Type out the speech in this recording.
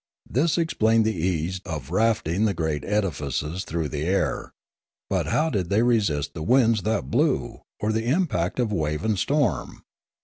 This ex plained the ease of rafting the great edifices through the air; but how did they resist the winds that blew, or the impact of wave and storm